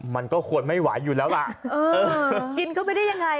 มันก็ควรไม่ไหวอยู่แล้วล่ะเออกินเข้าไปได้ยังไง